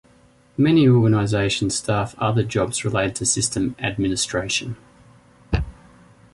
Many organizations staff other jobs related to system administration.